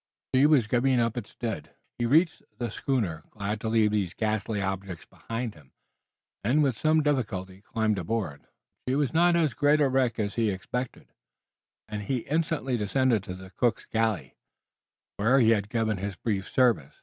The sea was giving up its dead. He reached the schooner, glad to leave these ghastly objects behind him, and, with some difficulty, climbed aboard. The vessel had shipped much water, but she was not as great a wreck as he had expected, and he instantly descended to the cook's galley, where he had given his brief service.